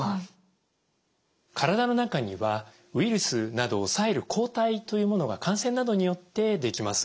体の中にはウイルスなどを抑える抗体というものが感染などによってできます。